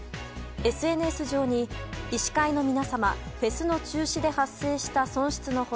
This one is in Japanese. ＳＮＳ上に医師会の皆様フェスの中止で発生した損失の補填